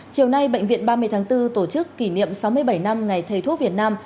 chiều nay bệnh viện ba mươi tháng bốn tổ chức kỷ niệm sáu mươi bảy năm ngày thầy thuốc việt nam